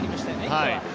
今日は。